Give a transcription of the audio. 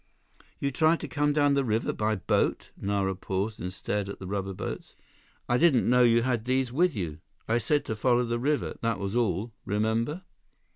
"You tried to come down the river by boat?" Nara paused and stared at the rubber boats. "I didn't know you had these with you. I said to follow the river, that was all. Remember?"